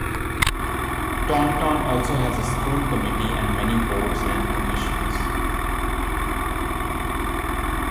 Taunton also has a School Committee and many boards and commissions.